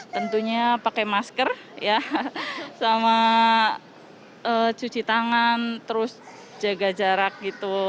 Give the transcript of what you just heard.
tentunya pakai masker ya sama cuci tangan terus jaga jarak gitu